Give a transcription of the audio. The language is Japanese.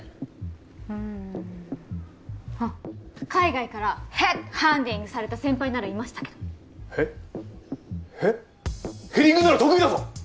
うんあっ海外からヘッドハンティングされた先輩ならいましたけどヘヘヘディングなら得意だぞ！